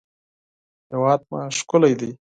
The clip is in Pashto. هېواد مو ښکلی دی